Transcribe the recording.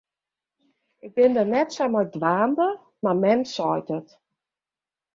Ik bin dêr net sa mei dwaande, mar men seit it.